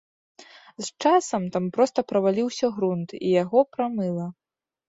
З часам там проста праваліўся грунт, і яго прамыла.